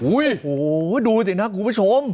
โอ้โหดูสิครับคุณผู้ชม